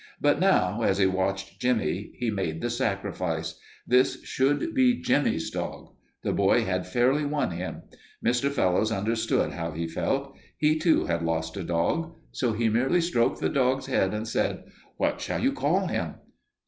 But now, as he watched Jimmie, he made the sacrifice. This should be Jimmie's dog. The boy had fairly won him. Mr. Fellowes understood how he felt; he, too, had lost a dog. So he merely stroked the dog's head and said, "What shall you call him?"